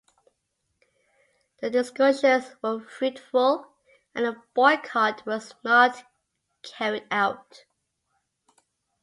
The discussions were fruitful and the boycott was not carried out.